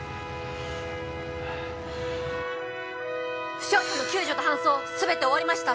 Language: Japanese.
負傷者の救助と搬送全て終わりました